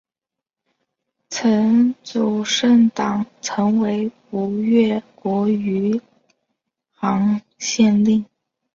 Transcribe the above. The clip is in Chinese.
曾祖盛珰曾为吴越国余杭县令。